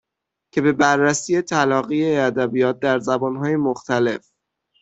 که به بررسی تلاقی ادبیات در زبانهای مختلف